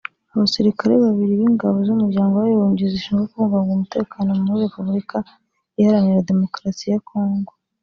Abasirikare babiri b’Ingabo z’Umuryango w’Abibumbye zishinzwe kubungabunga umutekano muri Repubulika Iharanira Demokarasi ya Kongo